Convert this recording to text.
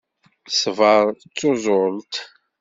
Ṣṣber d tuẓult.